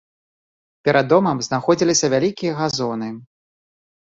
Перад домам знаходзіліся вялікія газоны.